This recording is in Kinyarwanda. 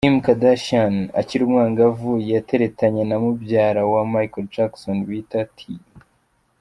kim Kardashian akiri umwangavu yateretanye na mubyara wa Michael jackson bita T.